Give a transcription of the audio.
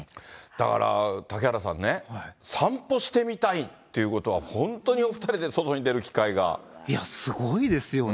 だから嵩原さんね、散歩してみたいっていうことは、いや、すごいですよね。